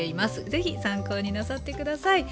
是非参考になさって下さい。